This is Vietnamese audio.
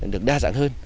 được đa dạng hơn